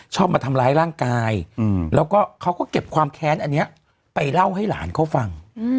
มาทำร้ายร่างกายแล้วก็เขาก็เก็บความแค้นอันนี้ไปเล่าให้หลานเขาฟัง